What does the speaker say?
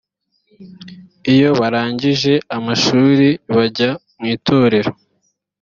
iyo barangije amashuri bajya mwitorero